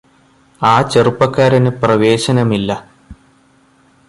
ആ ചെറുപ്പക്കാരന് പ്രവേശനമില്ല